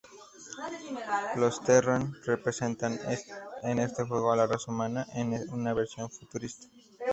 Los Terran representan en este juego a la raza humana en una versión futurista.